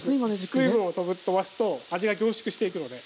水分をとばすと味が凝縮していくので。